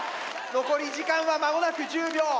残り時間は間もなく１０秒。